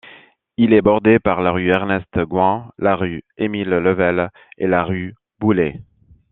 Il est bordé par la rue Ernest-Goüin, la rue Émile-Level et la rue Boulay.